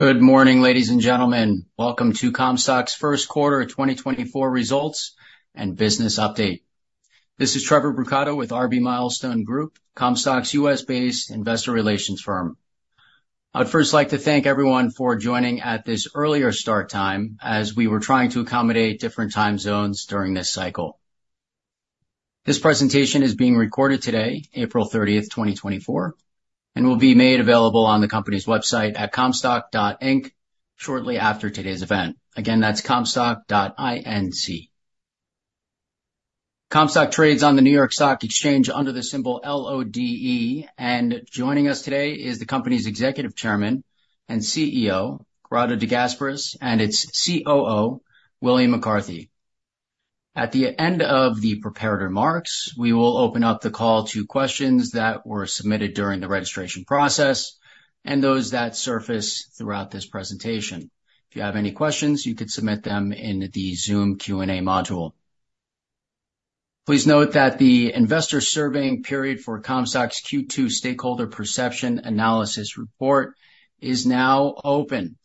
Good morning, ladies and gentlemen. Welcome to Comstock's first quarter of 2024 results and business update. This is Trevor Brucato with RB Milestone Group, Comstock's U.S.-based investor relations firm. I'd first like to thank everyone for joining at this earlier start time as we were trying to accommodate different time zones during this cycle. This presentation is being recorded today, April 30, 2024, and will be made available on the company's website at comstock.inc shortly after today's event. Again, that's comstock.inc. Comstock trades on the New York Stock Exchange under the symbol LODE, and joining us today is the company's Executive Chairman and CEO, Corrado De Gasperis, and its COO, William McCarthy. At the end of the prepared remarks, we will open up the call to questions that were submitted during the registration process and those that surface throughout this presentation. If you have any questions, you can submit them in the Zoom Q&A module. Please note that the investor surveying period for Comstock's Q2 Stakeholder Perception Analysis Report is now open.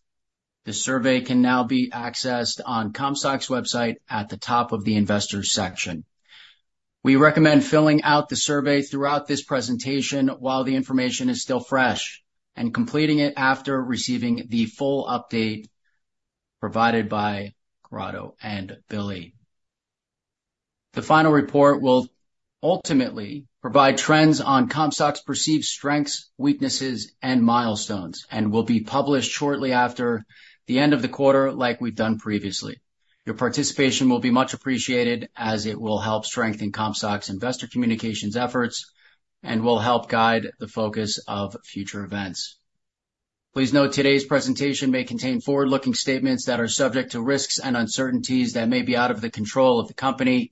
The survey can now be accessed on Comstock's website at the top of the Investors section. We recommend filling out the survey throughout this presentation while the information is still fresh and completing it after receiving the full update provided by Corrado and Billy. The final report will ultimately provide trends on Comstock's perceived strengths, weaknesses, and milestones and will be published shortly after the end of the quarter, like we've done previously. Your participation will be much appreciated as it will help strengthen Comstock's investor communications efforts and will help guide the focus of future events. Please note, today's presentation may contain forward-looking statements that are subject to risks and uncertainties that may be out of the control of the company,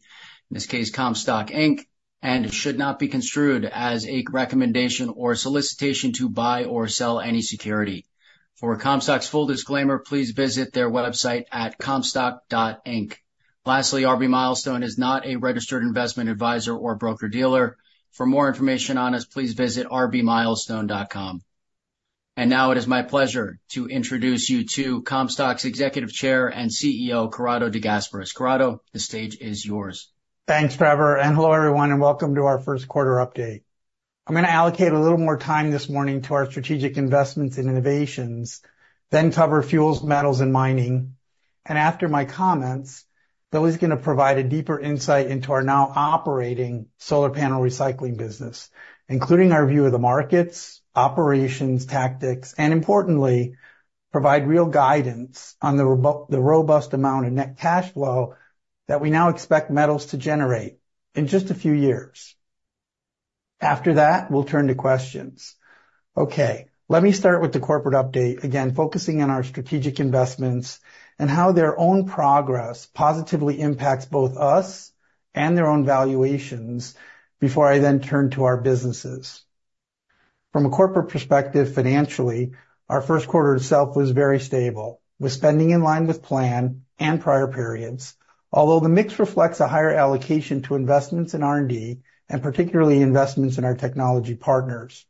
in this case, Comstock Inc., and should not be construed as a recommendation or solicitation to buy or sell any security. For Comstock's full disclaimer, please visit their website at comstock.inc. Lastly, RB Milestone is not a registered investment advisor or broker-dealer. For more information on us, please visit rbmilestone.com. Now it is my pleasure to introduce you to Comstock's Executive Chair and CEO, Corrado De Gasperis. Corrado, the stage is yours. Thanks, Trevor, and hello, everyone, and welcome to our first quarter update. I'm gonna allocate a little more time this morning to our strategic investments in innovations, then cover fuels, metals, and mining. After my comments, Billy's gonna provide a deeper insight into our now operating solar panel recycling business, including our view of the markets, operations, tactics, and importantly, provide real guidance on the robust amount of net cash flow that we now expect Metals to generate in just a few years. After that, we'll turn to questions. Okay, let me start with the corporate update, again, focusing on our strategic investments and how their own progress positively impacts both us and their own valuations before I then turn to our businesses. From a corporate perspective, financially, our first quarter itself was very stable, with spending in line with plan and prior periods, although the mix reflects a higher allocation to investments in R&D, and particularly investments in our technology partners.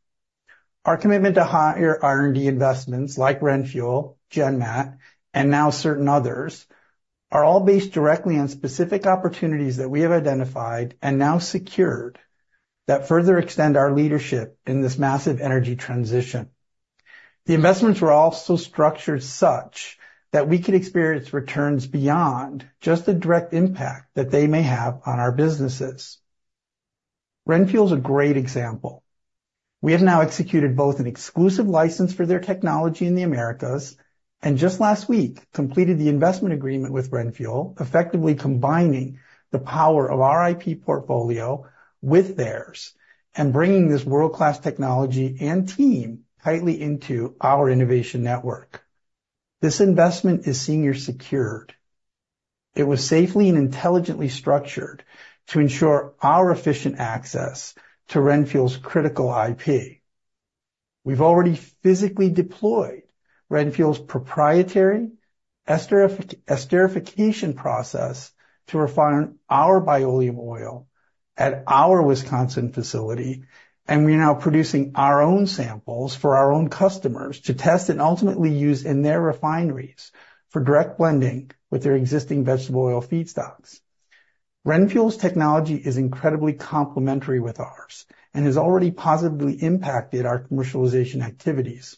Our commitment to higher R&D investments like RenFuel, GenMat, and now certain others, are all based directly on specific opportunities that we have identified and now secured that further extend our leadership in this massive energy transition. The investments were also structured such that we could experience returns beyond just the direct impact that they may have on our businesses. RenFuel is a great example. We have now executed both an exclusive license for their technology in the Americas, and just last week, completed the investment agreement with RenFuel, effectively combining the power of our IP portfolio with theirs and bringing this world-class technology and team tightly into our innovation network. This investment is senior secured. It was safely and intelligently structured to ensure our efficient access to RenFuel's critical IP. We've already physically deployed RenFuel's proprietary esterification process to refine our Bioleum oil at our Wisconsin facility, and we're now producing our own samples for our own customers to test and ultimately use in their refineries for direct blending with their existing vegetable oil feedstocks. RenFuel's technology is incredibly complementary with ours and has already positively impacted our commercialization activities.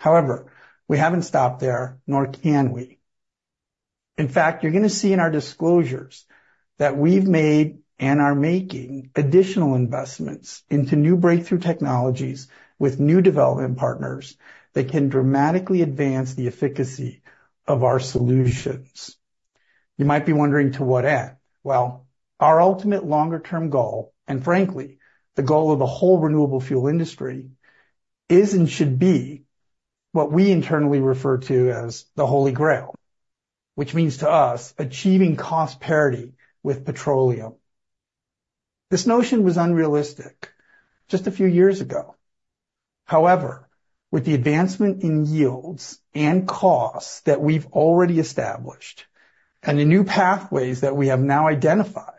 However, we haven't stopped there, nor can we. In fact, you're gonna see in our disclosures that we've made and are making additional investments into new breakthrough technologies with new development partners that can dramatically advance the efficacy of our solutions. You might be wondering, to what end? Well, our ultimate longer-term goal, and frankly, the goal of the whole renewable fuel industry, is and should be what we internally refer to as the Holy Grail, which means to us, achieving cost parity with petroleum. This notion was unrealistic just a few years ago. However, with the advancement in yields and costs that we've already established... and the new pathways that we have now identified,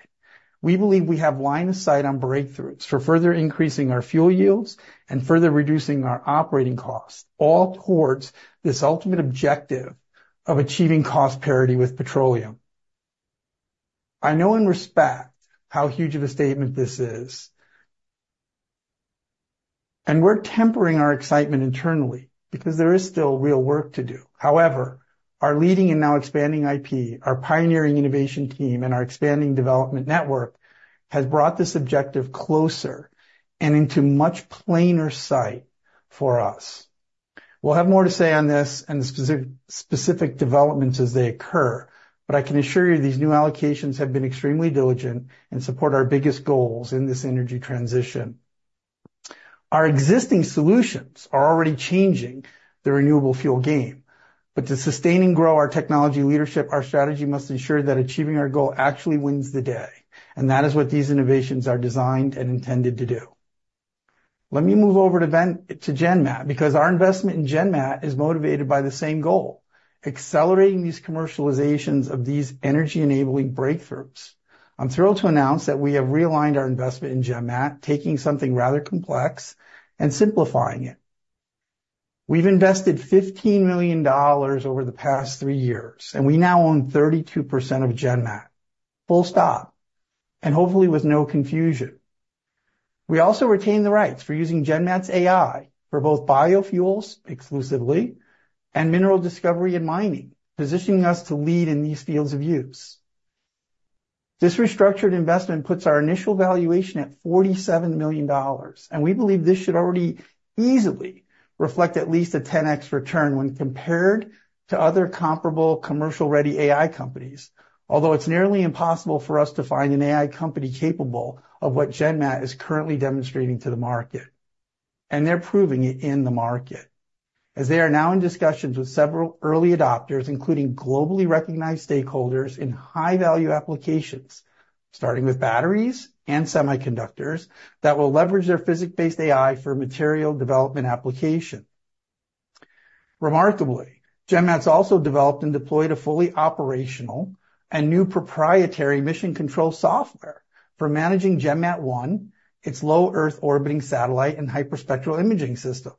we believe we have line of sight on breakthroughs for further increasing our fuel yields and further reducing our operating costs, all towards this ultimate objective of achieving cost parity with petroleum. I know and respect how huge of a statement this is, and we're tempering our excitement internally because there is still real work to do. However, our leading and now expanding IP, our pioneering innovation team, and our expanding development network, has brought this objective closer and into much plainer sight for us. We'll have more to say on this and the specific developments as they occur, but I can assure you, these new allocations have been extremely diligent and support our biggest goals in this energy transition. Our existing solutions are already changing the renewable fuel game, but to sustain and grow our technology leadership, our strategy must ensure that achieving our goal actually wins the day, and that is what these innovations are designed and intended to do. Let me move over to GenMat, because our investment in GenMat is motivated by the same goal, accelerating these commercializations of these energy-enabling breakthroughs. I'm thrilled to announce that we have realigned our investment in GenMat, taking something rather complex and simplifying it. We've invested $15 million over the past three years, and we now own 32% of GenMat, full stop, and hopefully with no confusion. We also retain the rights for using GenMat's AI for both biofuels exclusively and mineral discovery and mining, positioning us to lead in these fields of use. This restructured investment puts our initial valuation at $47 million, and we believe this should already easily reflect at least a 10x return when compared to other comparable commercial-ready AI companies. Although it's nearly impossible for us to find an AI company capable of what GenMat is currently demonstrating to the market, and they're proving it in the market. As they are now in discussions with several early adopters, including globally recognized stakeholders in high-value applications, starting with batteries and semiconductors, that will leverage their physics-based AI for material development application. Remarkably, GenMat's also developed and deployed a fully operational and new proprietary mission control software for managing GenMat-1, its low Earth orbiting satellite and hyperspectral imaging system.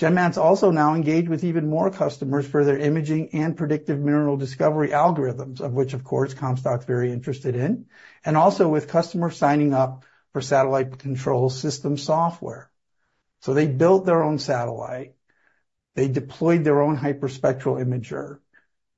GenMat's also now engaged with even more customers for their imaging and predictive mineral discovery algorithms, of which, of course, Comstock's very interested in, and also with customers signing up for satellite control system software. So they built their own satellite, they deployed their own hyperspectral imager,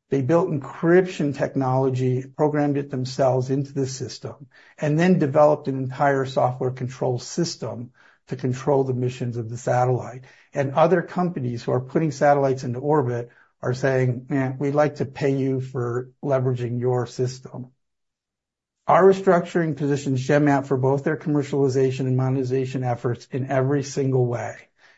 they built encryption technology, programmed it themselves into the system, and then developed an entire software control system to control the missions of the satellite. And other companies who are putting satellites into orbit are saying, "Eh, we'd like to pay you for leveraging your system." Our restructuring positions GenMat for both their commercialization and monetization efforts in every single way,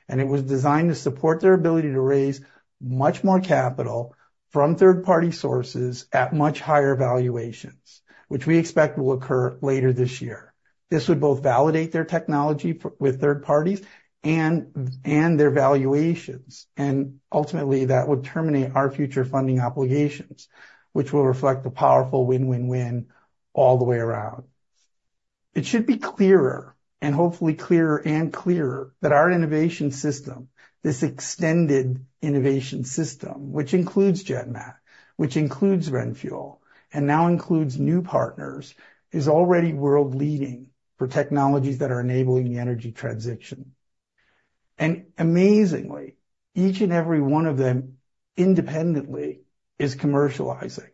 and it was designed to support their ability to raise much more capital from third-party sources at much higher valuations, which we expect will occur later this year. This would both validate their technology for, with third parties and, and their valuations, and ultimately, that would terminate our future funding obligations, which will reflect a powerful win-win-win all the way around. It should be clearer, and hopefully clearer and clearer, that our innovation system, this extended innovation system, which includes GenMat, which includes RenFuel, and now includes new partners, is already world-leading for technologies that are enabling the energy transition. And amazingly, each and every one of them, independently, is commercializing.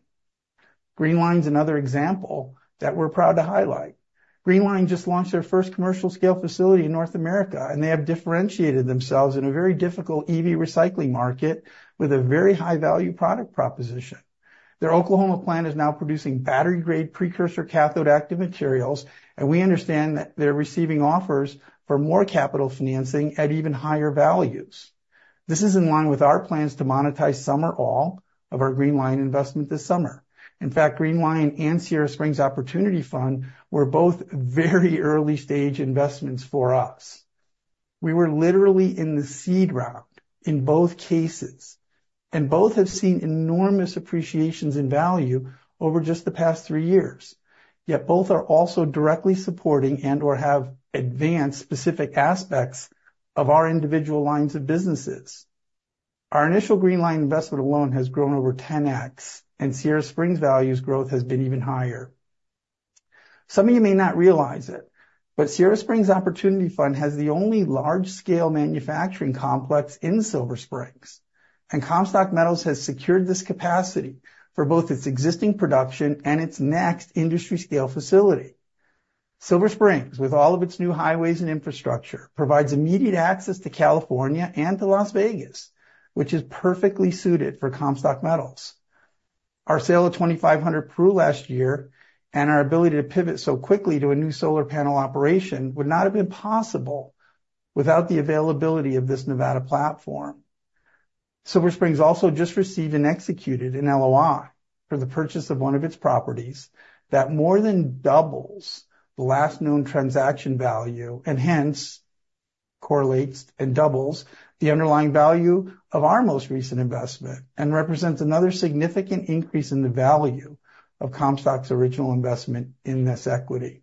Green Li-ion's another example that we're proud to highlight. Green Li-ion just launched their first commercial-scale facility in North America, and they have differentiated themselves in a very difficult EV recycling market with a very high-value product proposition. Their Oklahoma plant is now producing battery-grade precursor cathode active materials, and we understand that they're receiving offers for more capital financing at even higher values. This is in line with our plans to monetize some or all of our Green Li-ion investment this summer. In fact Green Li-ion and Sierra Springs Opportunity Fund were both very early-stage investments for us. We were literally in the seed round in both cases, and both have seen enormous appreciations in value over just the past three years. Yet both are also directly supporting and/or have advanced specific aspects of our individual lines of businesses. Our initial Green Li-ion investment alone has grown over 10x, and Sierra Springs value's growth has been even higher. Some of you may not realize it, but Sierra Springs Opportunity Fund has the only large-scale manufacturing complex in Silver Springs, and Comstock Metals has secured this capacity for both its existing production and its next industry-scale facility. Silver Springs, with all of its new highways and infrastructure, provides immediate access to California and to Las Vegas, which is perfectly suited for Comstock Metals. Our sale of 2,500 proof last year and our ability to pivot so quickly to a new solar panel operation would not have been possible without the availability of this Nevada platform. Silver Springs also just received and executed an LOI for the purchase of one of its properties that more than doubles the last known transaction value and hence... correlates and doubles the underlying value of our most recent investment, and represents another significant increase in the value of Comstock's original investment in this equity.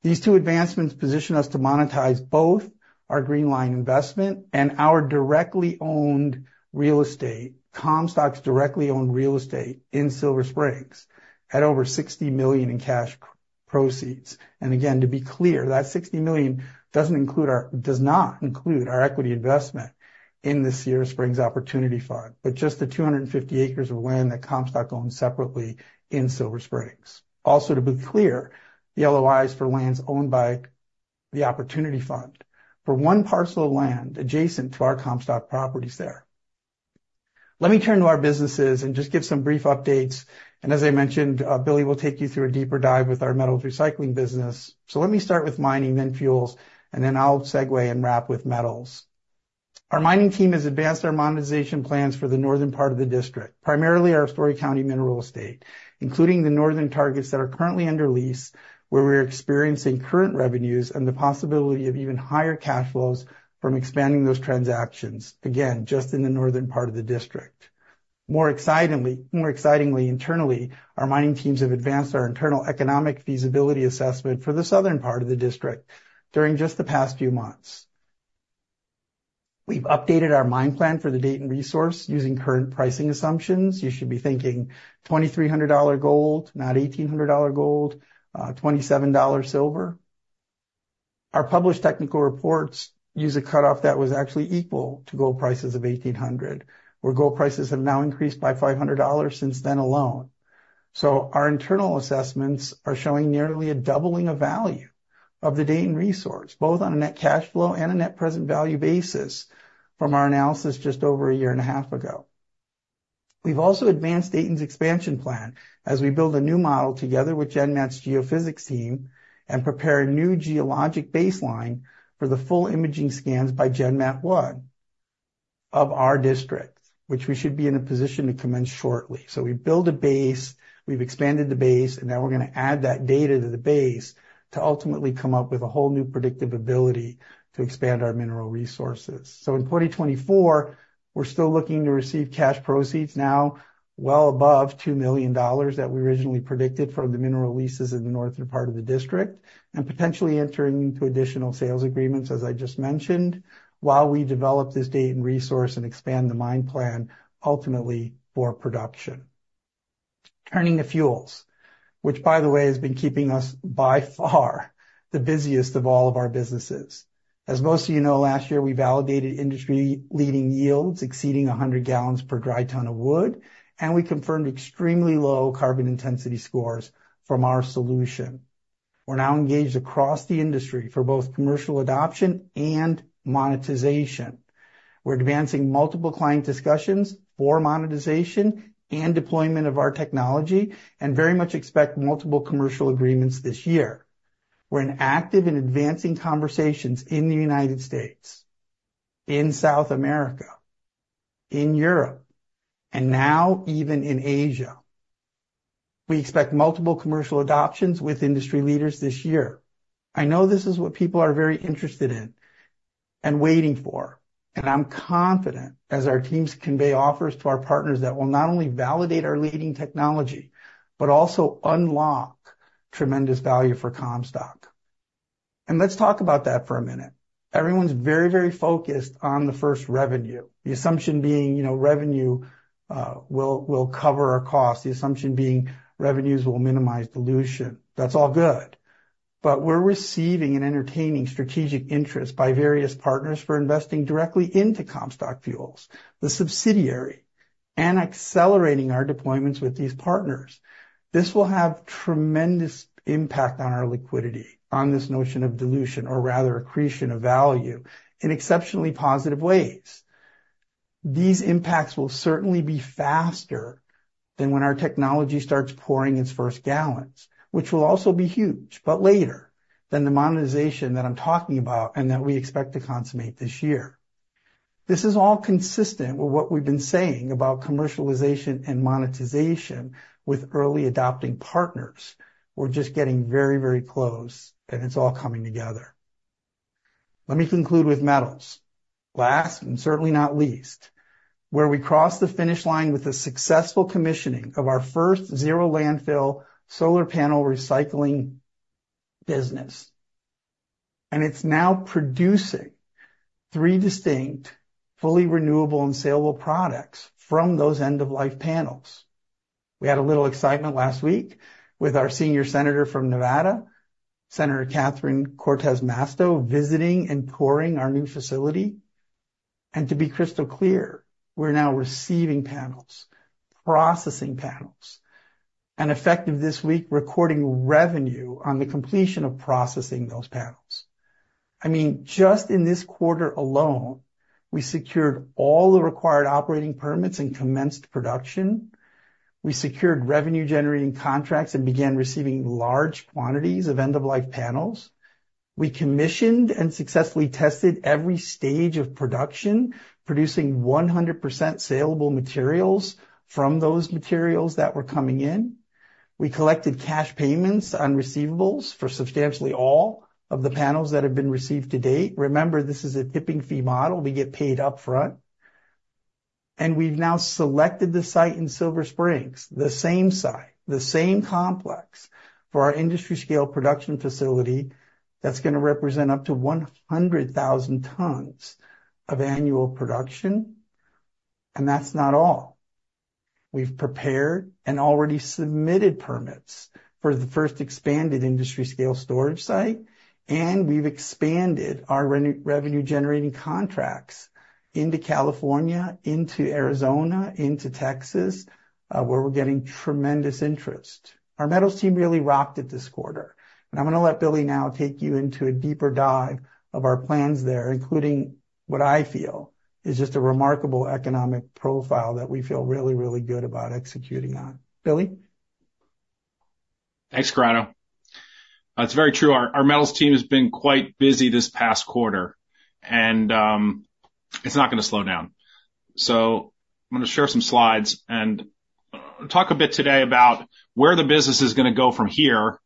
These two advancements position us to monetize both our Green Li-ion investment and our directly owned real estate. Comstock's directly owned real estate in Silver Springs, at over $60 million in cash proceeds. And again, to be clear, that $60 million does not include our equity investment in the Sierra Springs Opportunity Fund, but just the 250 acres of land that Comstock owns separately in Silver Springs. Also, to be clear, the LOIs for lands owned by the opportunity fund, for one parcel of land adjacent to our Comstock properties there. Let me turn to our businesses and just give some brief updates, and as I mentioned, Billy will take you through a deeper dive with our metals recycling business. So let me start with mining, then fuels, and then I'll segue and wrap with metals. Our mining team has advanced our monetization plans for the northern part of the district, primarily our Storey County mineral estate, including the northern targets that are currently under lease, where we're experiencing current revenues and the possibility of even higher cash flows from expanding those transactions, again, just in the northern part of the district. More excitingly, more excitingly, internally, our mining teams have advanced our internal economic feasibility assessment for the southern part of the district during just the past few months. We've updated our mine plan for the Dayton resource using current pricing assumptions. You should be thinking $2,300 gold, not $1,800 gold, $27 silver. Our published technical reports use a cutoff that was actually equal to gold prices of $1,800, where gold prices have now increased by $500 since then alone. So our internal assessments are showing nearly a doubling of value of the Dayton resource, both on a net cash flow and a net present value basis from our analysis just over a year and a half ago. We've also advanced Dayton's expansion plan as we build a new model together with GenMat's geophysics team, and prepare a new geologic baseline for the full imaging scans by GenMat One of our district, which we should be in a position to commence shortly. So we build a base, we've expanded the base, and now we're gonna add that data to the base to ultimately come up with a whole new predictive ability to expand our mineral resources. So in 2024, we're still looking to receive cash proceeds now, well above $2 million that we originally predicted from the mineral leases in the northern part of the district, and potentially entering into additional sales agreements, as I just mentioned, while we develop this Dayton resource and expand the mine plan ultimately for production. Turning to fuels, which, by the way, has been keeping us by far the busiest of all of our businesses. As most of you know, last year, we validated industry-leading yields exceeding 100 gallons per dry ton of wood, and we confirmed extremely low carbon intensity scores from our solution. We're now engaged across the industry for both commercial adoption and monetization. We're advancing multiple client discussions for monetization and deployment of our technology and very much expect multiple commercial agreements this year. We're in active and advancing conversations in the United States, in South America, in Europe, and now even in Asia. We expect multiple commercial adoptions with industry leaders this year. I know this is what people are very interested in and waiting for, and I'm confident as our teams convey offers to our partners, that will not only validate our leading technology, but also unlock tremendous value for Comstock. And let's talk about that for a minute. Everyone's very, very focused on the first revenue, the assumption being, you know, revenue will cover our costs, the assumption being revenues will minimize dilution. That's all good. But we're receiving and entertaining strategic interest by various partners for investing directly into Comstock Fuels, the subsidiary, and accelerating our deployments with these partners. This will have tremendous impact on our liquidity, on this notion of dilution, or rather, accretion of value, in exceptionally positive ways. These impacts will certainly be faster than when our technology starts pouring its first gallons, which will also be huge, but later than the monetization that I'm talking about and that we expect to consummate this year. This is all consistent with what we've been saying about commercialization and monetization with early adopting partners. We're just getting very, very close, and it's all coming together. Let me conclude with metals. Last, and certainly not least, where we crossed the finish line with a successful commissioning of our first Zero Landfill solar panel recycling business, and it's now producing three distinct, fully renewable and saleable products from those end-of-life panels. We had a little excitement last week with our senior senator from Nevada, Senator Catherine Cortez Masto, visiting and touring our new facility. To be crystal clear, we're now receiving panels, processing panels, and effective this week, recording revenue on the completion of processing those panels. I mean, just in this quarter alone, we secured all the required operating permits and commenced production. We secured revenue-generating contracts and began receiving large quantities of end-of-life panels. We commissioned and successfully tested every stage of production, producing 100% saleable materials from those materials that were coming in. We collected cash payments on receivables for substantially all of the panels that have been received to date. Remember, this is a tipping fee model. We get paid upfront... and we've now selected the site in Silver Springs, the same site, the same complex, for our industry scale production facility that's gonna represent up to 100,000 tons of annual production. And that's not all. We've prepared and already submitted permits for the first expanded industry scale storage site, and we've expanded our revenue-generating contracts into California, into Arizona, into Texas, where we're getting tremendous interest. Our metals team really rocked it this quarter, and I'm gonna let Billy now take you into a deeper dive of our plans there, including what I feel is just a remarkable economic profile that we feel really, really good about executing on. Billy? Thanks, Corrado. It's very true, our metals team has been quite busy this past quarter, and it's not gonna slow down. So I'm gonna share some slides and talk a bit today about where the business is gonna go from here,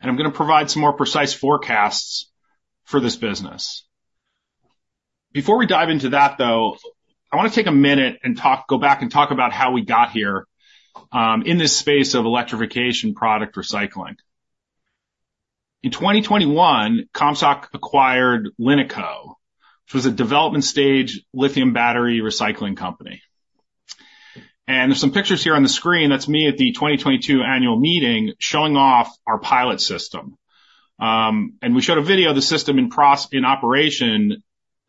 and I'm gonna provide some more precise forecasts for this business. Before we dive into that, though, I wanna take a minute and talk and go back and talk about how we got here in this space of electrification product recycling. In 2021, Comstock acquired LiNiCo, which was a development stage lithium battery recycling company. There's some pictures here on the screen. That's me at the 2022 annual meeting, showing off our pilot system. And we showed a video of the system in operation,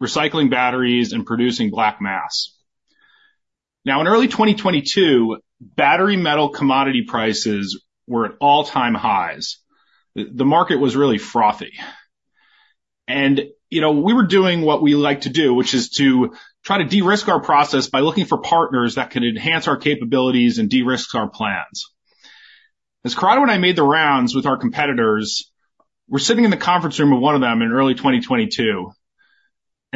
recycling batteries and producing black mass. Now, in early 2022, battery metal commodity prices were at all-time highs. The market was really frothy. And, you know, we were doing what we like to do, which is to try to de-risk our process by looking for partners that can enhance our capabilities and de-risk our plans. As Corrado and I made the rounds with our competitors, we're sitting in the conference room of one of them in early 2022, and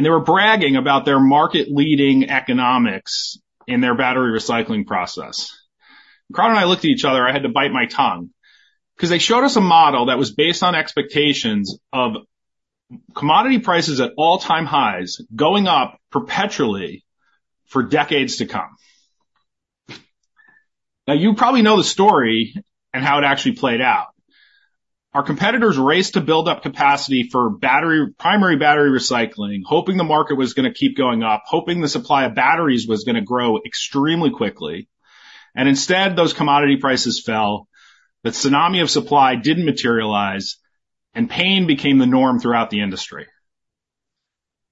they were bragging about their market-leading economics in their battery recycling process. Corrado and I looked at each other, and I had to bite my tongue, 'cause they showed us a model that was based on expectations of commodity prices at all-time highs, going up perpetually for decades to come. Now, you probably know the story and how it actually played out. Our competitors raced to build up capacity for battery, primary battery recycling, hoping the market was gonna keep going up, hoping the supply of batteries was gonna grow extremely quickly. Instead, those commodity prices fell, the tsunami of supply didn't materialize, and pain became the norm throughout the industry.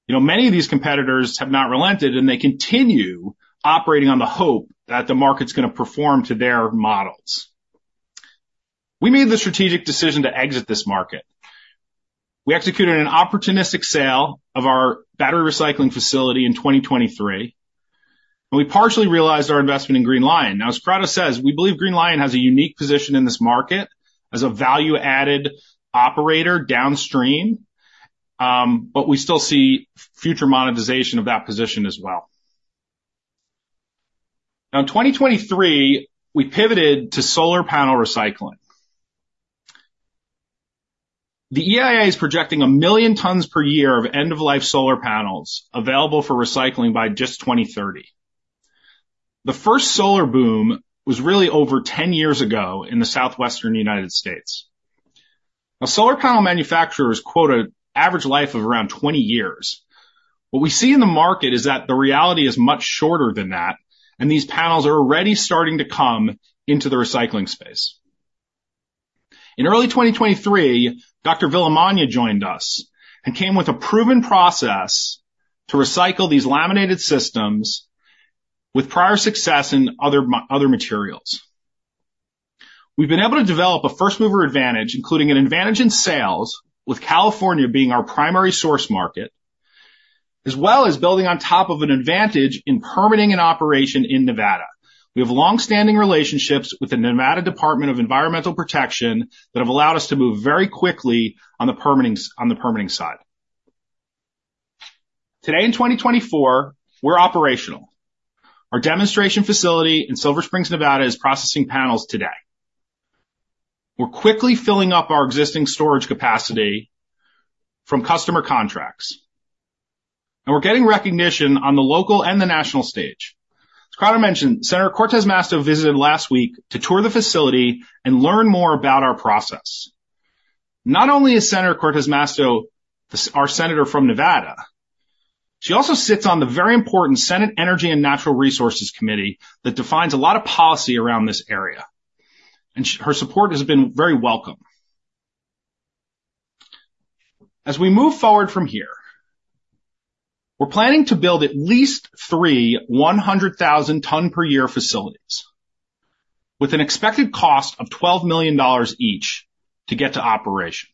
You know, many of these competitors have not relented, and they continue operating on the hope that the market's gonna perform to their models. We made the strategic decision to exit this market. We executed an opportunistic sale of our battery recycling facility in 2023, and we partially realized our investment in Green Li-ion. Now, as Corrado says, we believe Green Li-ion has a unique position in this market as a value-added operator downstream, but we still see future monetization of that position as well. Now, in 2023, we pivoted to solar panel recycling. The EIA is projecting one million tons per year of end-of-life solar panels available for recycling by just 2030. The first solar boom was really over 10 years ago in the southwestern United States. Now, solar panel manufacturers quote an average life of around 20 years. What we see in the market is that the reality is much shorter than that, and these panels are already starting to come into the recycling space. In early 2023, Dr. Villamagna joined us and came with a proven process to recycle these laminated systems with prior success in other materials. We've been able to develop a first mover advantage, including an advantage in sales, with California being our primary source market, as well as building on top of an advantage in permitting and operation in Nevada. We have longstanding relationships with the Nevada Department of Environmental Protection that have allowed us to move very quickly on the permitting side. Today, in 2024, we're operational. Our demonstration facility in Silver Springs, Nevada, is processing panels today. We're quickly filling up our existing storage capacity from customer contracts, and we're getting recognition on the local and the national stage. As Corrado mentioned, Senator Cortez Masto visited last week to tour the facility and learn more about our process. Not only is Senator Cortez Masto our senator from Nevada, she also sits on the very important Senate Energy and Natural Resources Committee that defines a lot of policy around this area, and her support has been very welcome. As we move forward from here, we're planning to build at least three 100,000-ton-per-year facilities, with an expected cost of $12 million each to get to operation.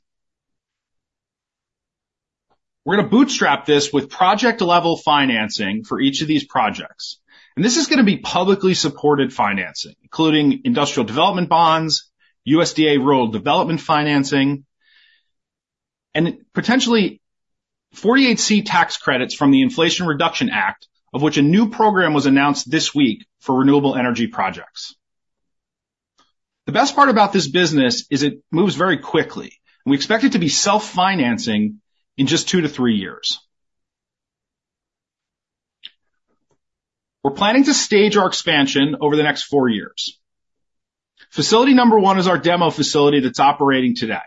We're gonna bootstrap this with project-level financing for each of these projects, and this is gonna be publicly supported financing, including industrial development bonds, USDA Rural Development financing, and potentially 48C tax credits from the Inflation Reduction Act, of which a new program was announced this week for renewable energy projects. The best part about this business is it moves very quickly, and we expect it to be self-financing in just two-three years. We're planning to stage our expansion over the next four years. Facility number one is our demo facility that's operating today.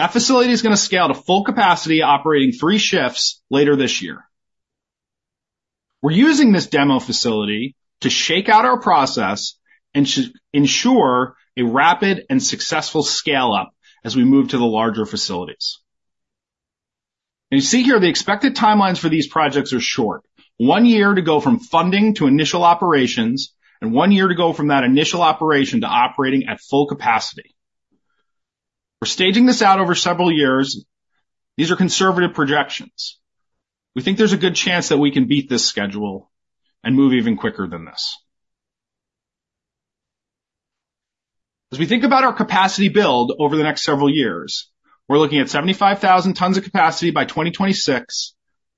That facility is gonna scale to full capacity, operating three shifts later this year. We're using this demo facility to shake out our process and ensure a rapid and successful scale-up as we move to the larger facilities. You see here, the expected timelines for these projects are short. One year to go from funding to initial operations, and one year to go from that initial operation to operating at full capacity. We're staging this out over several years. These are conservative projections. We think there's a good chance that we can beat this schedule and move even quicker than this. As we think about our capacity build over the next several years, we're looking at 75,000 tons of capacity by 2026,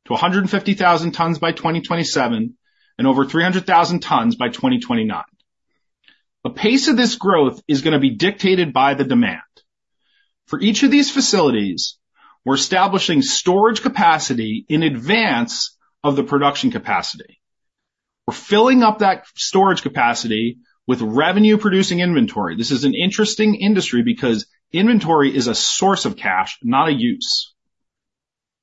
to 150,000 tons by 2027, and over 300,000 tons by 2029. The pace of this growth is gonna be dictated by the demand. For each of these facilities, we're establishing storage capacity in advance of the production capacity. We're filling up that storage capacity with revenue-producing inventory. This is an interesting industry because inventory is a source of cash, not a use.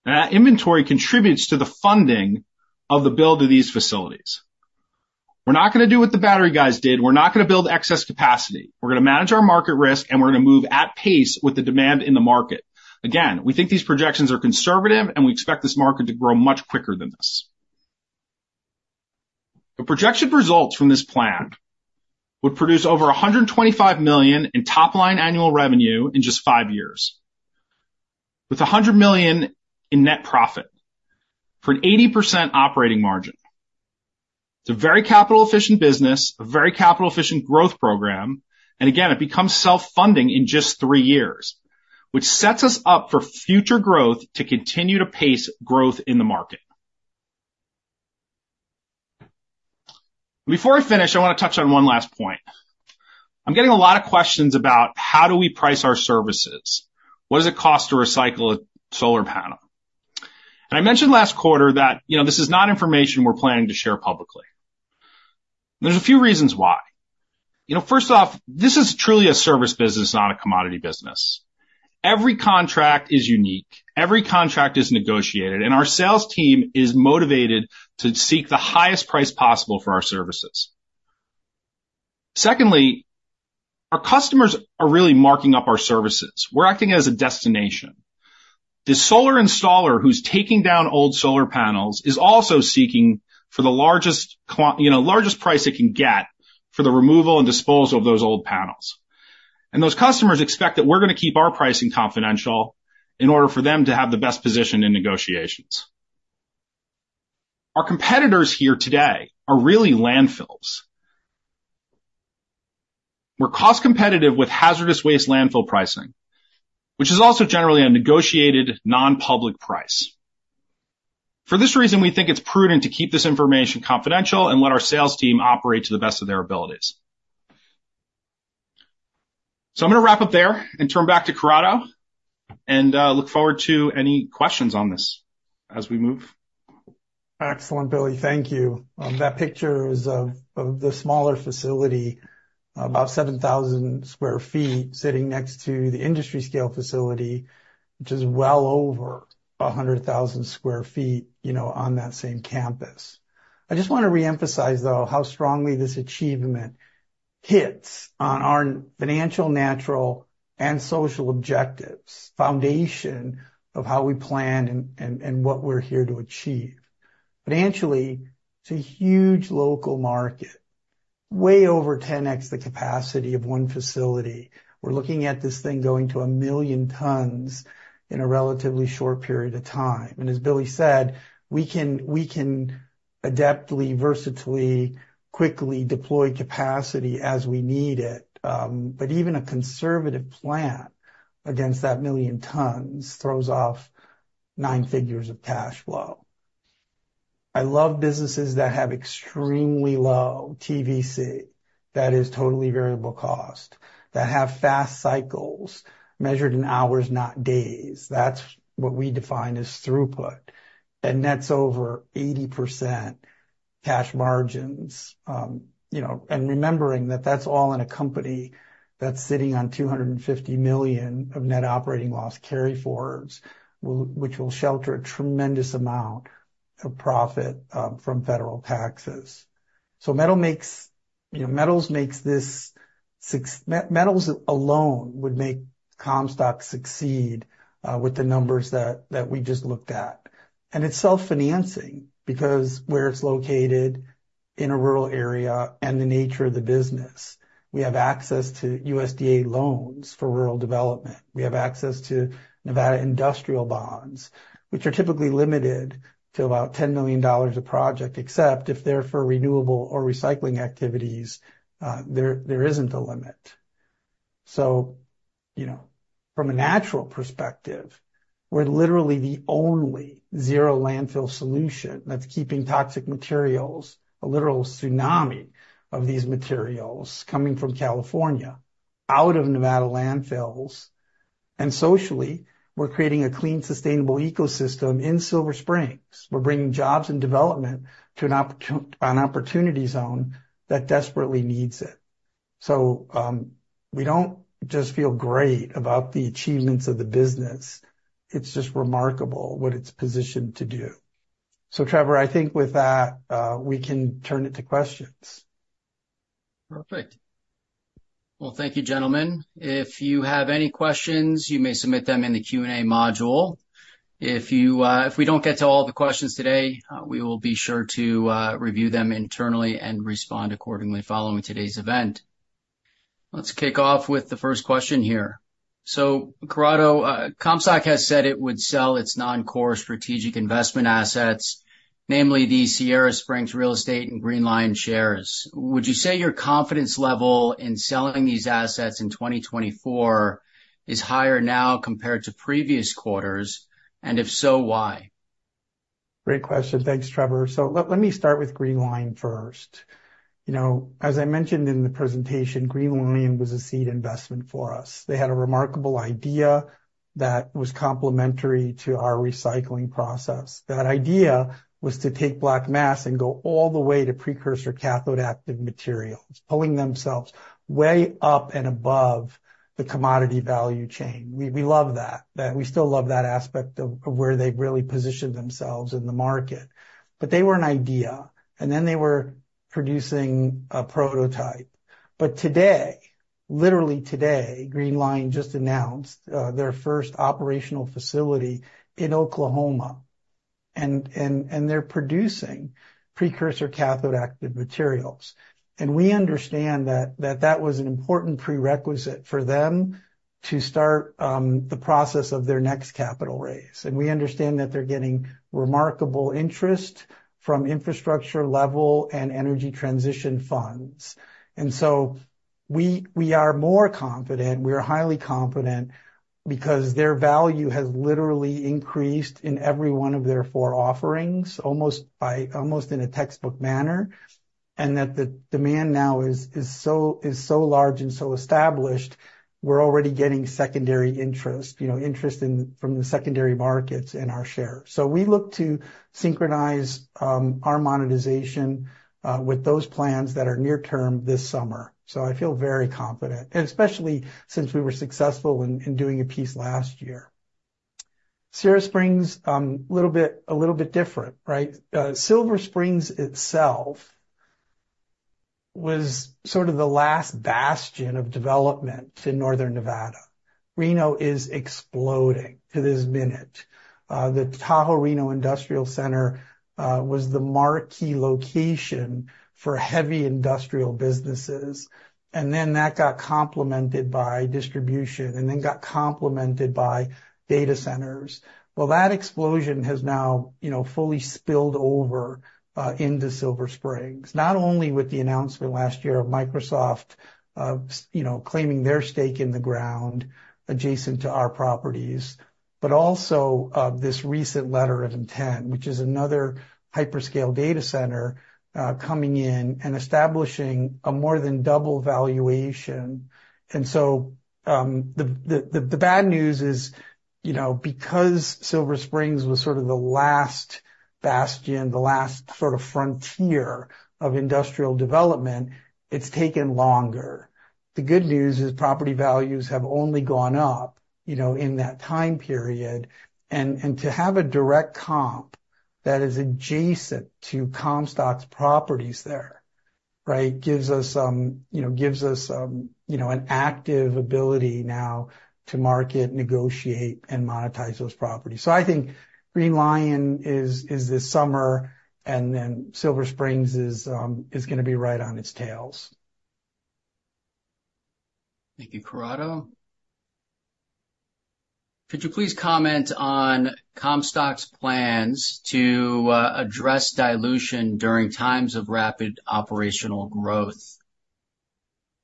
That inventory contributes to the funding of the build of these facilities. We're not gonna do what the battery guys did. We're not gonna build excess capacity. We're gonna manage our market risk, and we're gonna move at pace with the demand in the market. Again, we think these projections are conservative, and we expect this market to grow much quicker than this. The projection results from this plan would produce over $125 million in top-line annual revenue in just five years, with $100 million in net profit for an 80% operating margin. It's a very capital-efficient business, a very capital-efficient growth program, and again, it becomes self-funding in just three years, which sets us up for future growth to continue to pace growth in the market. Before I finish, I wanna touch on one last point. I'm getting a lot of questions about how do we price our services? What does it cost to recycle a solar panel? And I mentioned last quarter that, you know, this is not information we're planning to share publicly. There's a few reasons why. You know, first off, this is truly a service business, not a commodity business. Every contract is unique, every contract is negotiated, and our sales team is motivated to seek the highest price possible for our services. Secondly, our customers are really marking up our services. We're acting as a destination. The solar installer who's taking down old solar panels is also seeking for the largest you know, largest price it can get for the removal and disposal of those old panels. And those customers expect that we're gonna keep our pricing confidential in order for them to have the best position in negotiations. Our competitors here today are really landfills. We're cost competitive with hazardous waste landfill pricing, which is also generally a negotiated, non-public price. For this reason, we think it's prudent to keep this information confidential and let our sales team operate to the best of their abilities. So I'm gonna wrap up there and turn back to Corrado, and look forward to any questions on this as we move. Excellent, Billy. Thank you. That picture is of the smaller facility, about 7,000 sq ft, sitting next to the industry scale facility, which is well over 100,000 sq ft, you know, on that same campus. I just wanna reemphasize, though, how strongly this achievement hits on our financial, natural, and social objectives, foundation of how we plan and what we're here to achieve. Financially, it's a huge local market, way over 10x the capacity of one facility. We're looking at this thing going to 1,000,000 tons in a relatively short period of time. As Billy said, we can adeptly, versatilely, quickly deploy capacity as we need it. Even a conservative plan against that 1,000,000 tons throws off nine figures of cash flow. I love businesses that have extremely low TVC, that is totally variable cost, that have fast cycles measured in hours, not days. That's what we define as throughput, and that's over 80% cash margins. You know, and remembering that that's all in a company that's sitting on $250 million of net operating loss carryforwards, which will shelter a tremendous amount of profit from federal taxes. So metals alone would make Comstock succeed with the numbers that we just looked at. And it's self-financing, because where it's located in a rural area and the nature of the business, we have access to USDA loans for rural development. We have access to Nevada industrial bonds, which are typically limited to about $10 million a project, except if they're for renewable or recycling activities, there isn't a limit. So, you know, from a natural perspective, we're literally the only zero landfill solution that's keeping toxic materials, a literal tsunami of these materials coming from California, out of Nevada landfills, and socially, we're creating a clean, sustainable ecosystem in Silver Springs. We're bringing jobs and development to an opportunity zone that desperately needs it. So, we don't just feel great about the achievements of the business, it's just remarkable what it's positioned to do. So Trevor, I think with that, we can turn it to questions. Perfect. Well, thank you, gentlemen. If you have any questions, you may submit them in the Q&A module. If you, if we don't get to all the questions today, we will be sure to, review them internally and respond accordingly following today's event. Let's kick off with the first question here. So Corrado, Comstock has said it would sell its non-core strategic investment assets, namely the Sierra Springs real estate and Greenline shares. Would you say your confidence level in selling these assets in 2024 is higher now compared to previous quarters? And if so, why? Great question. Thanks, Trevor. So let me start with Greenline first. You know, as I mentioned in the presentation, Greenline was a seed investment for us. They had a remarkable idea that was complementary to our recycling process. That idea was to take black mass and go all the way to precursor cathode active materials, pulling themselves way up and above the commodity value chain. We love that. That we still love that aspect of where they've really positioned themselves in the market. But they were an idea, and then they were producing a prototype. But today, literally today, Greenline just announced their first operational facility in Oklahoma. And they're producing precursor cathode active materials. And we understand that that was an important prerequisite for them to start the process of their next capital raise. We understand that they're getting remarkable interest from infrastructure level and energy transition funds. So we are more confident, we are highly confident because their value has literally increased in every one of their four offerings, almost by, almost in a textbook manner, and that the demand now is so large and so established. We're already getting secondary interest, you know, interest in from the secondary markets in our share. So we look to synchronize our monetization with those plans that are near term this summer. So I feel very confident, and especially since we were successful in doing a piece last year. Sierra Springs little bit different, right? Silver Springs itself was sort of the last bastion of development to northern Nevada. Reno is exploding to this minute. The Tahoe Reno Industrial Center was the marquee location for heavy industrial businesses, and then that got complemented by distribution, and then got complemented by data centers. Well, that explosion has now, you know, fully spilled over into Silver Springs, not only with the announcement last year of Microsoft, you know, claiming their stake in the ground adjacent to our properties, but also this recent letter of intent, which is another hyperscale data center coming in and establishing a more than double valuation. And so, the bad news is, you know, because Silver Springs was sort of the last bastion, the last sort of frontier of industrial development, it's taken longer. The good news is property values have only gone up, you know, in that time period. And to have a direct comp that is adjacent to Comstock's properties there, right, gives us, you know, gives us, you know, an active ability now to market, negotiate, and monetize those properties. So I think Greenline is this summer, and then Silver Springs is gonna be right on its tails. Thank you, Corrado. Could you please comment on Comstock's plans to address dilution during times of rapid operational growth?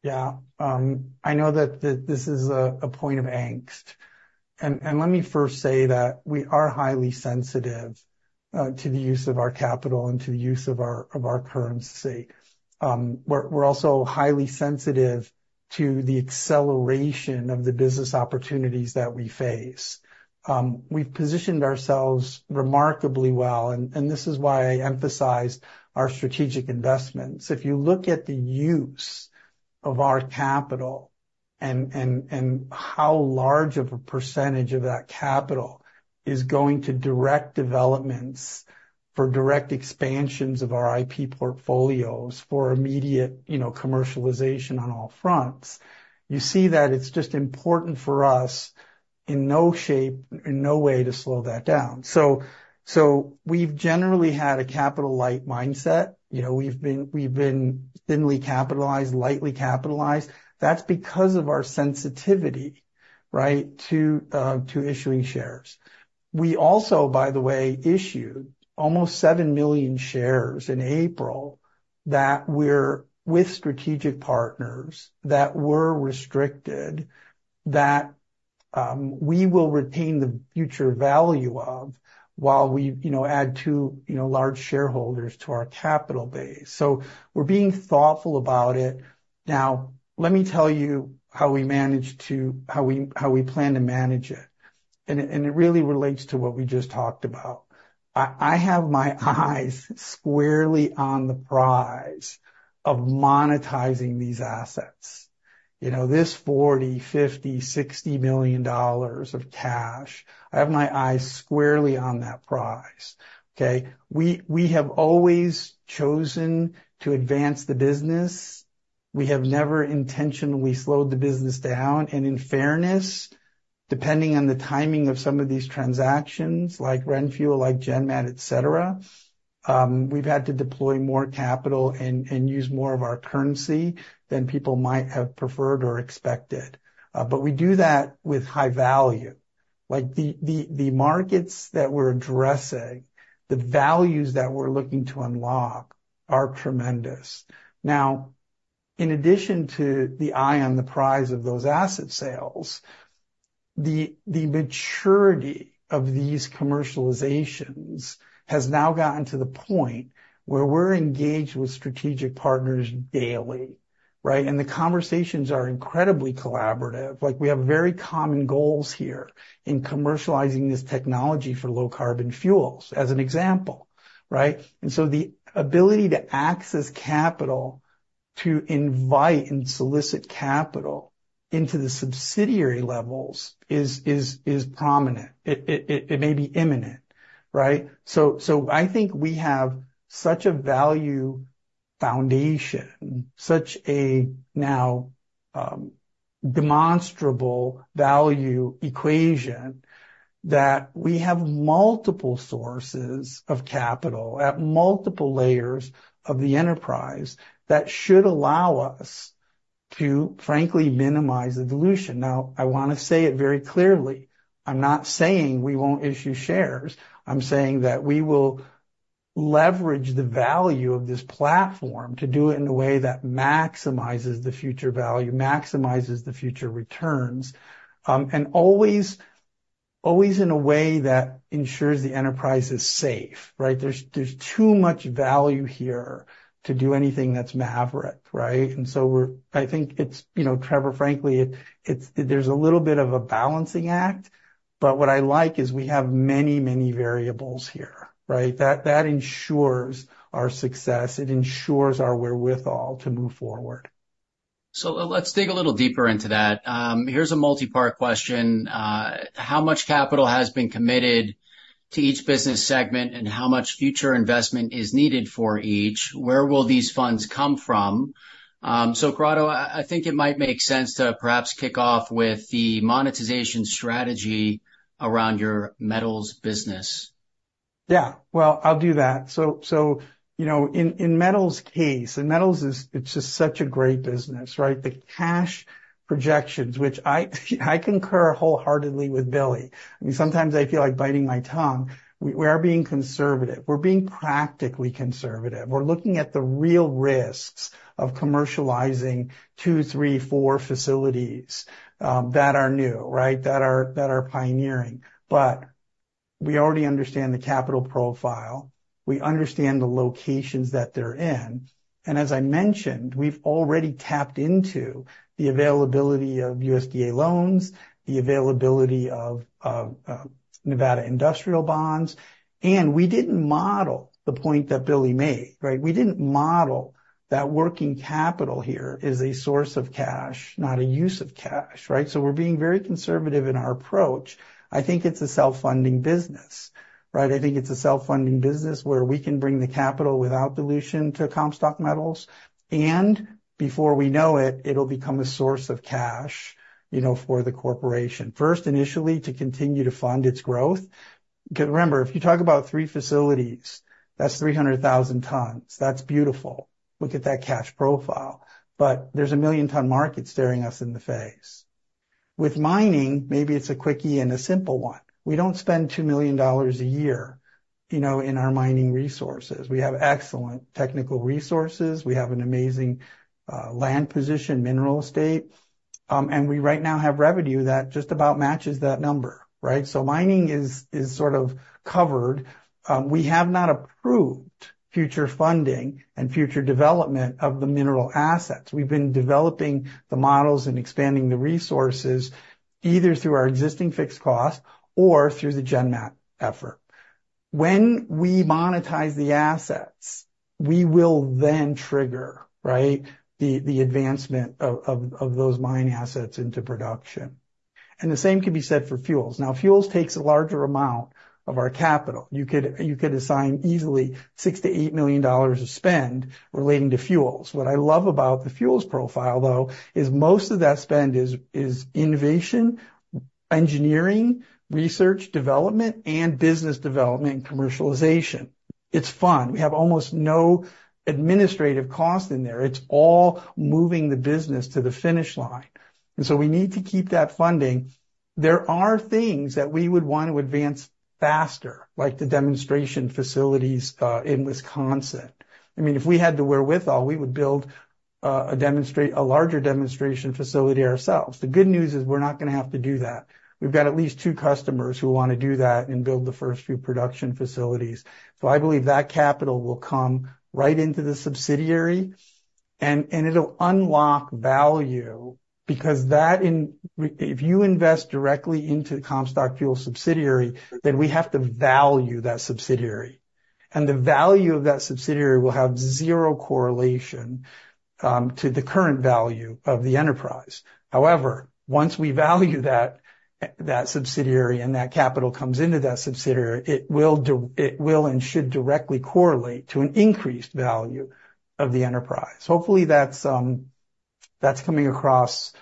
Yeah, I know that this is a point of angst, and let me first say that we are highly sensitive to the use of our capital and to the use of our currency. We're also highly sensitive to the acceleration of the business opportunities that we face. We've positioned ourselves remarkably well, and this is why I emphasize our strategic investments. If you look at the use of our capital and how large of a percentage of that capital is going to direct developments for direct expansions of our IP portfolios for immediate, you know, commercialization on all fronts, you see that it's just important for us, in no shape, in no way, to slow that down. So we've generally had a capital light mindset. You know, we've been thinly capitalized, lightly capitalized. That's because of our sensitivity, right, to issuing shares. We also, by the way, issued almost seven million shares in April that we're with strategic partners, that we're restricted, that we will retain the future value of while we, you know, add two, you know, large shareholders to our capital base. So we're being thoughtful about it. Now, let me tell you how we plan to manage it, and it really relates to what we just talked about. I have my eyes squarely on the prize of monetizing these assets. You know, this $40 million-$60 million of cash, I have my eyes squarely on that prize, okay? We have always chosen to advance the business. We have never intentionally slowed the business down, and in fairness, depending on the timing of some of these transactions, like RenFuel, like GenMat, et cetera, we've had to deploy more capital and, and use more of our currency than people might have preferred or expected. But we do that with high value. Like, the, the, the markets that we're addressing, the values that we're looking to unlock are tremendous. Now, in addition to the eye on the prize of those asset sales, the, the maturity of these commercializations has now gotten to the point where we're engaged with strategic partners daily, right? And the conversations are incredibly collaborative. Like, we have very common goals here in commercializing this technology for low carbon fuels, as an example, right? And so the ability to access capital, to invite and solicit capital into the subsidiary levels is, is, is prominent. It may be imminent, right? So I think we have such a value foundation, such a now, demonstrable value equation, that we have multiple sources of capital at multiple layers of the enterprise that should allow us to, frankly, minimize the dilution. Now, I wanna say it very clearly. I'm not saying we won't issue shares. I'm saying that we will leverage the value of this platform to do it in a way that maximizes the future value, maximizes the future returns, and always, always in a way that ensures the enterprise is safe, right? There's too much value here to do anything that's maverick, right? And so we're. I think it's, you know, Trevor, frankly, it's, there's a little bit of a balancing act, but what I like is we have many, many variables here, right? That ensures our success, it ensures our wherewithal to move forward. So let's dig a little deeper into that. Here's a multipart question. How much capital has been committed to each business segment, and how much future investment is needed for each? Where will these funds come from? So Corrado, I, I think it might make sense to perhaps kick off with the monetization strategy around your metals business. Yeah. Well, I'll do that. So, you know, in Metals case, and Metals is—it's just such a great business, right? The cash projections, which I concur wholeheartedly with Billy. I mean, sometimes I feel like biting my tongue. We are being conservative. We're being practically conservative. We're looking at the real risks of commercializing two, three, four facilities that are new, right? That are pioneering. But we already understand the capital profile. We understand the locations that they're in, and as I mentioned, we've already tapped into the availability of USDA loans, the availability of Nevada industrial bonds. And we didn't model the point that Billy made, right? We didn't model that working capital here is a source of cash, not a use of cash, right? So we're being very conservative in our approach. I think it's a self-funding business, right? I think it's a self-funding business where we can bring the capital without dilution to Comstock Metals, and before we know it, it'll become a source of cash, you know, for the corporation. First, initially, to continue to fund its growth, because remember, if you talk about three facilities, that's 300,000 tons. That's beautiful. Look at that cash profile. But there's a one-million-ton market staring us in the face. With mining, maybe it's a quickie and a simple one. We don't spend $2 million a year, you know, in our mining resources. We have excellent technical resources. We have an amazing land position, mineral estate, and we right now have revenue that just about matches that number, right? So mining is sort of covered. We have not approved future funding and future development of the mineral assets. We've been developing the models and expanding the resources, either through our existing fixed costs or through the GenMat effort. When we monetize the assets, we will then trigger, right, the advancement of those mine assets into production. And the same can be said for fuels. Now, fuels takes a larger amount of our capital. You could assign easily $6-$8 million of spend relating to fuels. What I love about the fuels profile, though, is most of that spend is innovation, engineering, research, development, and business development, and commercialization. It's fun. We have almost no administrative cost in there. It's all moving the business to the finish line. And so we need to keep that funding. There are things that we would want to advance faster, like the demonstration facilities in Wisconsin. I mean, if we had the wherewithal, we would build a larger demonstration facility ourselves. The good news is we're not gonna have to do that. We've got at least two customers who wanna do that and build the first few production facilities. So I believe that capital will come right into the subsidiary, and it'll unlock value because then, if you invest directly into the Comstock Fuels subsidiary, we have to value that subsidiary. And the value of that subsidiary will have zero correlation to the current value of the enterprise. However, once we value that, that subsidiary and that capital comes into that subsidiary, it will and should directly correlate to an increased value of the enterprise. Hopefully, that's coming across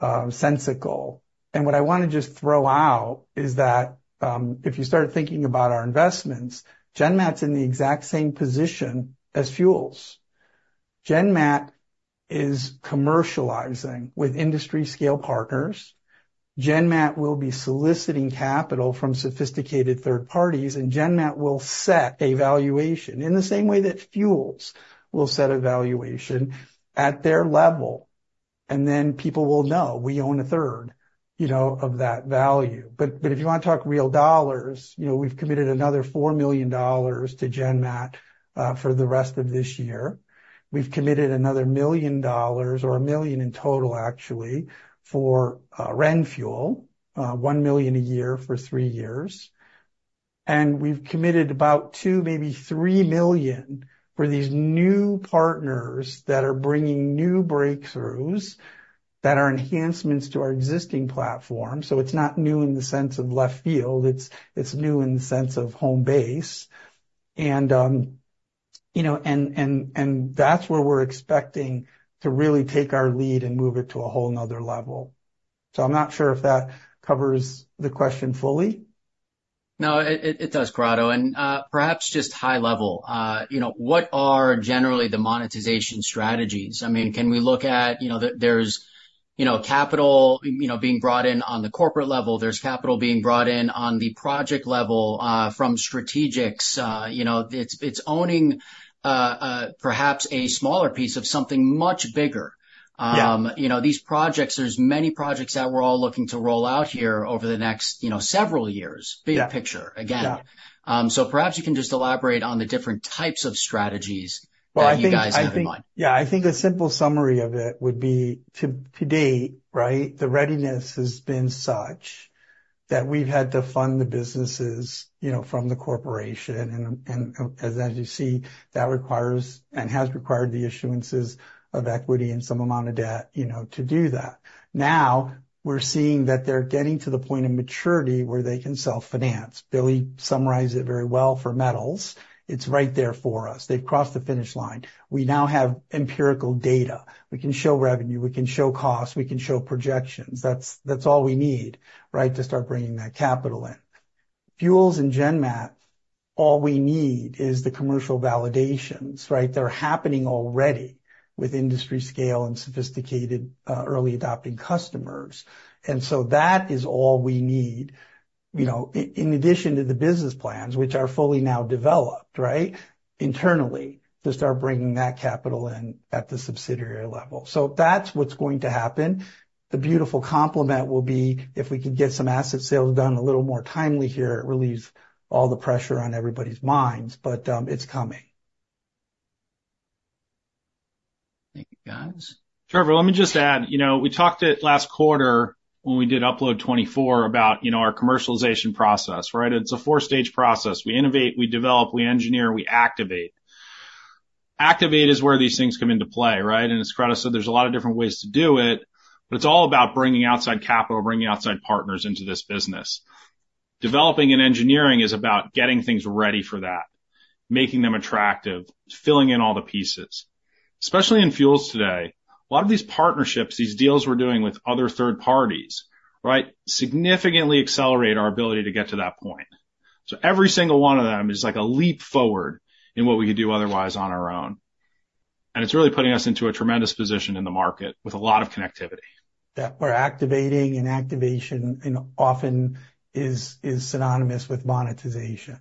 sensical. And what I wanna just throw out is that, if you start thinking about our investments, GenMat's in the exact same position as Fuels. GenMat is commercializing with industry scale partners. GenMat will be soliciting capital from sophisticated third parties, and GenMat will set a valuation in the same way that Fuels will set a valuation at their level. And then people will know, we own a third, you know, of that value. But if you wanna talk real dollars, you know, we've committed another $4 million to GenMat for the rest of this year. We've committed another $1 million or $1 million in total, actually, for RenFuel, $1 million a year for three years. We've committed about $2 million-$3 million for these new partners that are bringing new breakthroughs that are enhancements to our existing platform. So it's not new in the sense of left field, it's new in the sense of home base. You know, and that's where we're expecting to really take our lead and move it to a whole another level. So I'm not sure if that covers the question fully. No, it does, Corrado. And, perhaps just high level, you know, what are generally the monetization strategies? I mean, can we look at, you know, there, there's, you know, capital, you know, being brought in on the corporate level, there's capital being brought in on the project level, from strategics. You know, it's owning, perhaps a smaller piece of something much bigger. Yeah. You know, these projects, there's many projects that we're all looking to roll out here over the next, you know, several years. Yeah. Big picture, again. Yeah. So, perhaps you can just elaborate on the different types of strategies that you guys have in mind. Well, I think, yeah, I think a simple summary of it would be to date, right, the readiness has been such that we've had to fund the businesses, you know, from the corporation. As you see, that requires and has required the issuances of equity and some amount of debt, you know, to do that. Now, we're seeing that they're getting to the point of maturity where they can self-finance. Billy summarized it very well for Metals. It's right there for us. They've crossed the finish line. We now have empirical data. We can show revenue, we can show costs, we can show projections. That's all we need, right, to start bringing that capital in. Fuels and GenMat, all we need is the commercial validations, right? They're happening already with industry scale and sophisticated early adopting customers. And so that is all we need, you know, in addition to the business plans, which are fully now developed, right, internally, to start bringing that capital in at the subsidiary level. So that's what's going to happen. The beautiful complement will be if we could get some asset sales done a little more timely here. It relieves all the pressure on everybody's minds, but it's coming. Thank you, guys. Trevor, let me just add, you know, we talked it last quarter when we did Outlook' 24 about, you know, our commercialization process, right? It's a four-stage process. We innovate, we develop, we engineer, we activate. Activate is where these things come into play, right? And as Corrado said, there's a lot of different ways to do it, but it's all about bringing outside capital, bringing outside partners into this business. Developing and engineering is about getting things ready for that, making them attractive, filling in all the pieces. Especially in Fuels today, a lot of these partnerships, these deals we're doing with other third parties, right, significantly accelerate our ability to get to that point. So every single one of them is like a leap forward in what we could do otherwise on our own. It's really putting us into a tremendous position in the market with a lot of connectivity. Yeah, we're activating, and activation, you know, often is synonymous with monetization.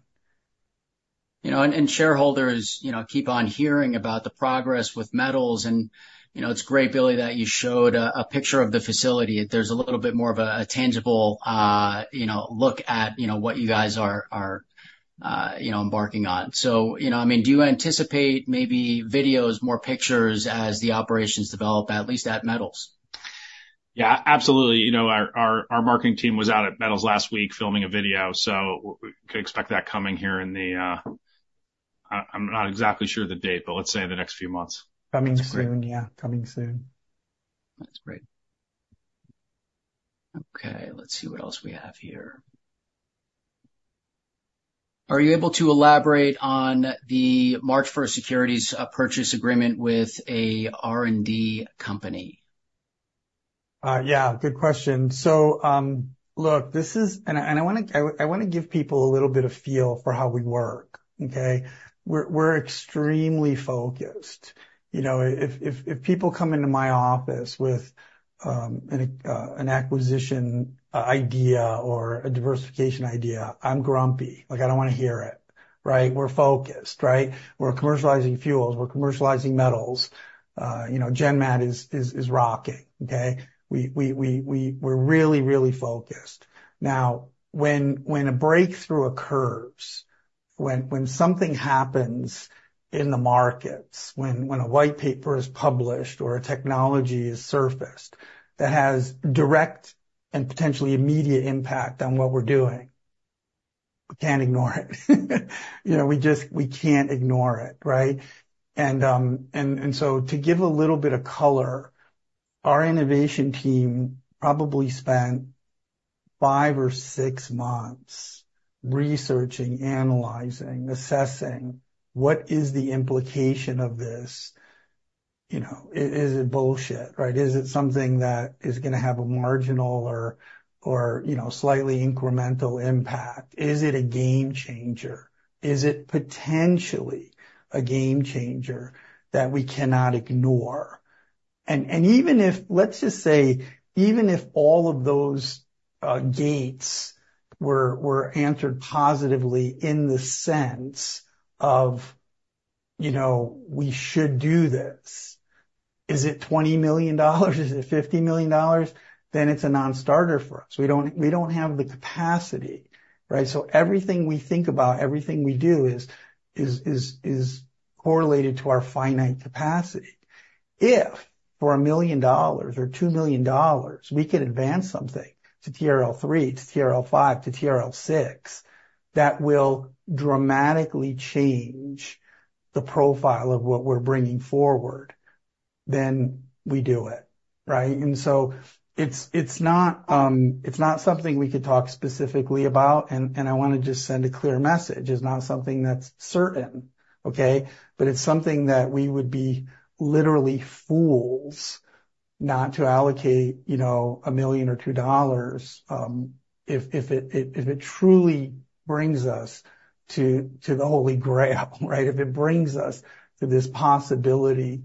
You know, and shareholders, you know, keep on hearing about the progress with Metals, and, you know, it's great, Billy, that you showed a picture of the facility. There's a little bit more of a tangible, you know, look at, you know, what you guys are, you know, embarking on. So, you know, I mean, do you anticipate maybe videos, more pictures as the operations develop, at least at Metals? Yeah, absolutely. You know, our marketing team was out at Metals last week filming a video, so we could expect that coming here in the... I'm not exactly sure of the date, but let's say in the next few months. Coming soon. Great. Yeah, coming soon. That's great. Okay, let's see what else we have here. Are you able to elaborate on the March first securities purchase agreement with a R&D company?... yeah, good question. So, look, and I wanna give people a little bit of feel for how we work, okay? We're extremely focused. You know, if people come into my office with an acquisition idea or a diversification idea, I'm grumpy. Like, I don't wanna hear it, right? We're focused, right? We're commercializing fuels. We're commercializing metals. You know, GenMat is rocking, okay? We're really, really focused. Now, when a breakthrough occurs, when something happens in the markets, when a white paper is published or a technology is surfaced that has direct and potentially immediate impact on what we're doing, we can't ignore it. You know, we just can't ignore it, right? So to give a little bit of color, our innovation team probably spent five or six months researching, analyzing, assessing what is the implication of this? You know, is it bullshit, right? Is it something that is gonna have a marginal or, or, you know, slightly incremental impact? Is it a game changer? Is it potentially a game changer that we cannot ignore? And even if... let's just say, even if all of those gates were answered positively in the sense of, you know, we should do this, is it $20 million? Is it $50 million? Then it's a non-starter for us. We don't, we don't have the capacity, right? So everything we think about, everything we do is correlated to our finite capacity. If for $1 million or $2 million, we can advance something to TRL three, to TRL five, to TRL six, that will dramatically change the profile of what we're bringing forward, then we do it, right? And so it's not something we could talk specifically about, and I wanna just send a clear message. It's not something that's certain, okay? But it's something that we would be literally fools not to allocate, you know, $1 million or $2 million, if it truly brings us to the holy grail, right? If it brings us to this possibility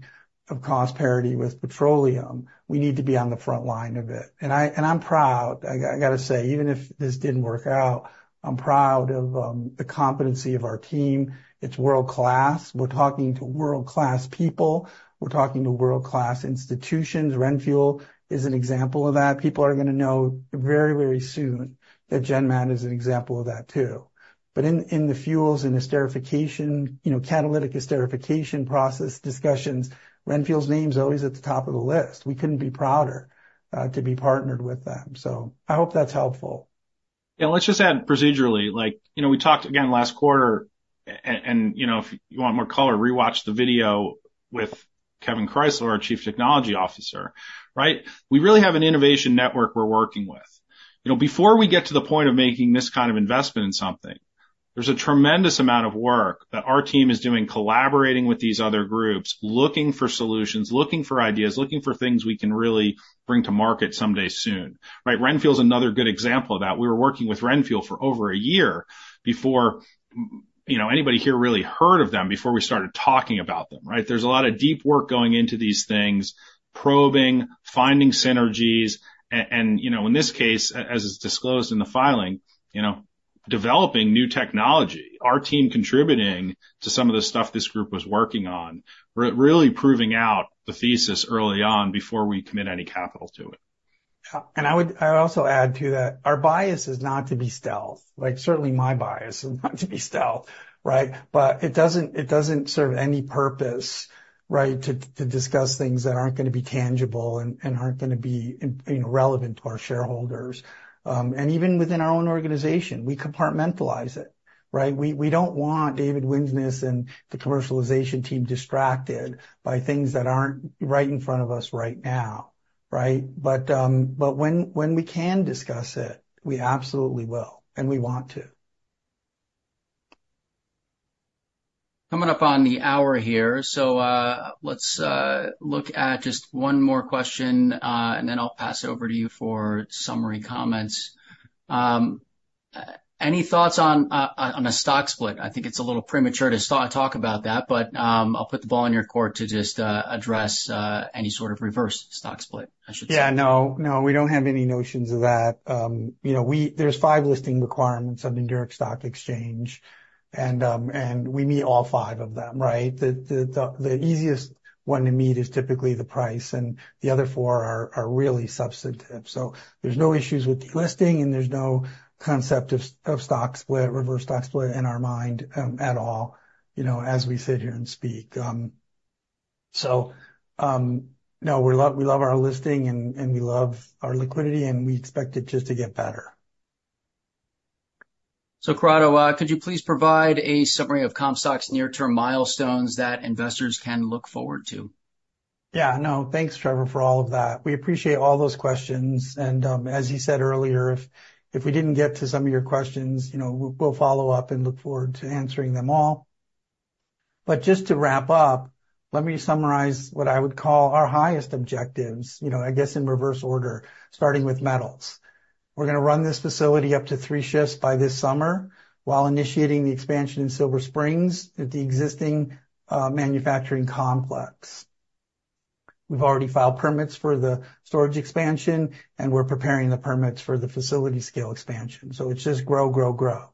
of cost parity with petroleum, we need to be on the front line of it. And I'm proud, I gotta say, even if this didn't work out, I'm proud of the competency of our team. It's world-class. We're talking to world-class people. We're talking to world-class institutions. RenFuel is an example of that. People are gonna know very, very soon that GenMat is an example of that, too. But in, in the fuels and esterification, you know, catalytic esterification process discussions, RenFuel's name is always at the top of the list. We couldn't be prouder to be partnered with them. So I hope that's helpful. Yeah, let's just add procedurally, like, you know, we talked again last quarter, and, you know, if you want more color, rewatch the video with Kevin Kreisler, our Chief Technology Officer, right? We really have an innovation network we're working with. You know, before we get to the point of making this kind of investment in something, there's a tremendous amount of work that our team is doing, collaborating with these other groups, looking for solutions, looking for ideas, looking for things we can really bring to market someday soon, right? RenFuel is another good example of that. We were working with RenFuel for over a year before, you know, anybody here really heard of them, before we started talking about them, right? There's a lot of deep work going into these things, probing, finding synergies, and, you know, in this case, as is disclosed in the filing, you know, developing new technology. Our team contributing to some of the stuff this group was working on, really proving out the thesis early on before we commit any capital to it. And I would, I would also add to that, our bias is not to be stealth. Like, certainly my bias is not to be stealth, right? But it doesn't, it doesn't serve any purpose, right, to, to discuss things that aren't gonna be tangible and, and aren't gonna be in, you know, relevant to our shareholders. And even within our own organization, we compartmentalize it, right? We, we don't want David Winsness and the commercialization team distracted by things that aren't right in front of us right now, right? But, but when, when we can discuss it, we absolutely will, and we want to. Coming up on the hour here. So, let's look at just one more question, and then I'll pass it over to you for summary comments. Any thoughts on a stock split? I think it's a little premature to talk about that, but, I'll put the ball in your court to just address any sort of reverse stock split, I should say. Yeah, no, no, we don't have any notions of that. You know, we—there's five listing requirements on the New York Stock Exchange, and, and we meet all five of them, right? The easiest one to meet is typically the price, and the other four are really substantive. So there's no issues with delisting, and there's no concept of stock split, reverse stock split in our mind, at all, you know, as we sit here and speak. So, no, we love, we love our listing and, and we expect it just to get better. Corrado, could you please provide a summary of Comstock's near-term milestones that investors can look forward to? Yeah, no, thanks, Trevor, for all of that. We appreciate all those questions, and, as you said earlier, if we didn't get to some of your questions, you know, we'll follow up and look forward to answering them all. But just to wrap up, let me summarize what I would call our highest objectives, you know, I guess, in reverse order, starting with metals. We're gonna run this facility up to three shifts by this summer, while initiating the expansion in Silver Springs at the existing manufacturing complex. We've already filed permits for the storage expansion, and we're preparing the permits for the facility scale expansion. So it's just grow, grow, grow.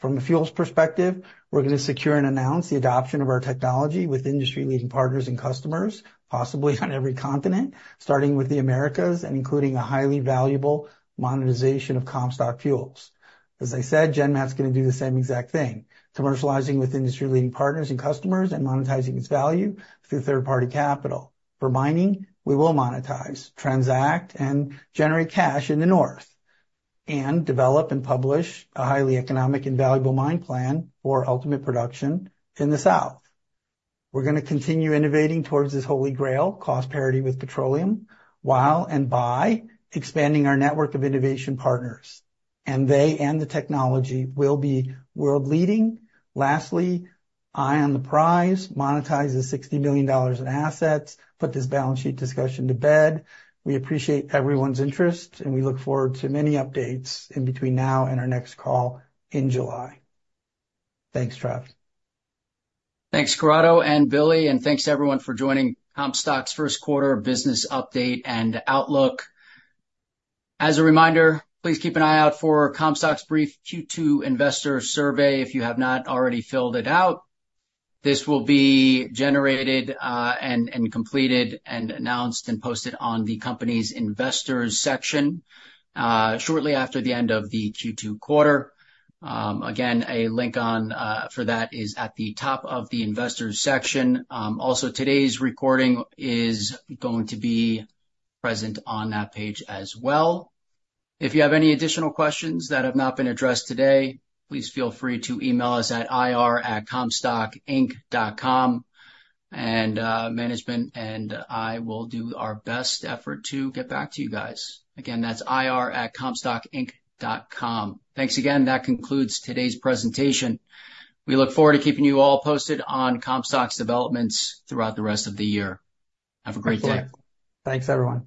From the fuels perspective, we're gonna secure and announce the adoption of our technology with industry-leading partners and customers, possibly on every continent, starting with the Americas, and including a highly valuable monetization of Comstock Fuels. As I said, GenMat's gonna do the same exact thing, commercializing with industry-leading partners and customers and monetizing its value through third-party capital. For mining, we will monetize, transact, and generate cash in the north, and develop and publish a highly economic and valuable mine plan for ultimate production in the south. We're gonna continue innovating towards this holy grail, cost parity with petroleum, while and by expanding our network of innovation partners, and they and the technology will be world-leading. Lastly, eye on the prize, monetize the $60 million in assets, put this balance sheet discussion to bed. We appreciate everyone's interest, and we look forward to many updates in between now and our next call in July. Thanks, Trav. Thanks, Corrado and Billy, and thanks to everyone for joining Comstock's first quarter business update and outlook. As a reminder, please keep an eye out for Comstock's brief Q2 investor survey, if you have not already filled it out. This will be generated, and completed and announced and posted on the company's investors section, shortly after the end of the Q2 quarter. Again, a link on for that is at the top of the investors section. Also, today's recording is going to be present on that page as well. If you have any additional questions that have not been addressed today, please feel free to email us at ir@comstockinc.com, and management and I will do our best effort to get back to you guys. Again, that's ir@comstockinc.com. Thanks again. That concludes today's presentation. We look forward to keeping you all posted on Comstock's developments throughout the rest of the year. Have a great day. Thanks, everyone.